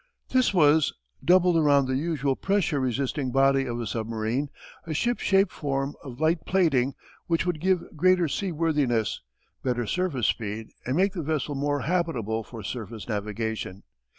This was, doubled around the usual pressure resisting body of a submarine, a ship shape form of light plating which would give greater seaworthiness, better surface speed, and make the vessel more habitable for surface navigation.